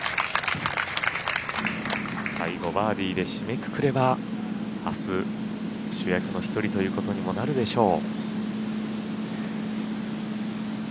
最後バーディーで締めくくればあす、主役の１人ということにもなるでしょう。